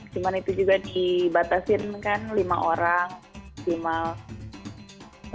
cuma itu juga dibatasin kan lima orang maksimal